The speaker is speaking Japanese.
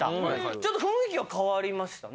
ちょっと雰囲気が変わりましたね。